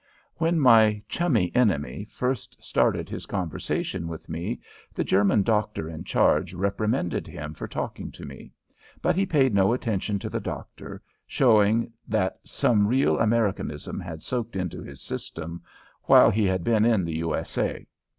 When my "chummy enemy" first started his conversation with me the German doctor in charge reprimanded him for talking to me, but he paid no attention to the doctor, showing that some real Americanism had soaked into his system while he had been in the U. S. A.